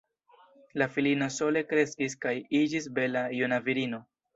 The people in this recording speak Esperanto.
La filino sole kreskis kaj iĝis bela juna virino.